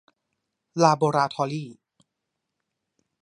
ลาโบราทอรี่